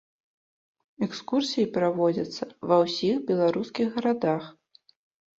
Экскурсіі праводзяцца ва ўсіх беларускіх гарадах.